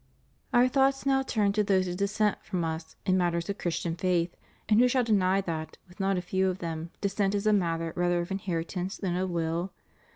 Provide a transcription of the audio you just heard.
Our thoughts now turn to those who dissent from us in matters of Christian faith; and who shall deny that, with not a few of them, dissent is a matter rather of inheritance than of will?